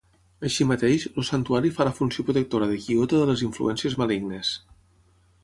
Així mateix, el Santuari fa la funció protectora de Kyoto de les influències malignes.